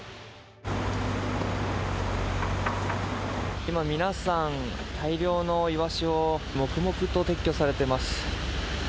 今、皆さん大量のイワシを黙々と撤去されています。